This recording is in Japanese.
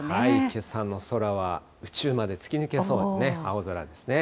けさの空は宇宙まで突き抜けそうな青空ですね。